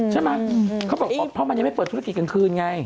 เขาบอกเพราะมันยังไม่เปิดธุรกิจกลางคืนไง